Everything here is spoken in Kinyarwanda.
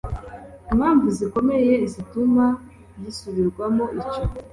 impamvu zikomeye zituma gisubirwamo icyo